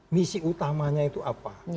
misi utamanya itu apa